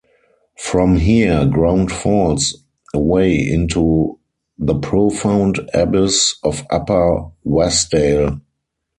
From here ground falls away into the profound abyss of upper Wasdale.